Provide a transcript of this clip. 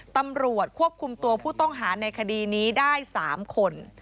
ตำรวจควบคุมตัวผู้ต้องหาในคดีนี้ได้๓คน